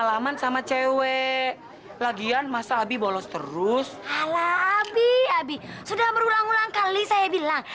cuman sama cewek lagian masa abi bolos terus ala abi abi sudah berulang ulang kali saya bilang